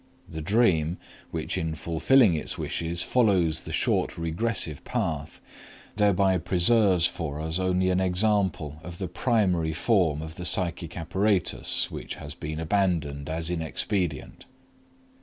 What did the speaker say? The dream, which in fulfilling its wishes follows the short regressive path, thereby preserves for us only an example of the primary form of the psychic apparatus which has been abandoned as inexpedient.